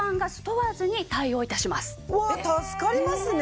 うわっ助かりますね！